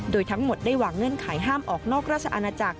โดยทั้งหมดได้วางเงื่อนไขห้ามออกนอกราชอาณาจักร